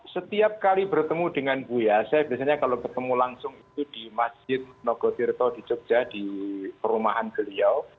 setiap kali bertemu dengan buya saya biasanya kalau bertemu langsung itu di masjid nogotirto di jogja di perumahan beliau